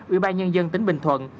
ubnd tính bình thuận